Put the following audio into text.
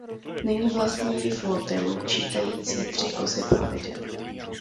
Nyní vlastní flotilu čítající tři kusy plavidel.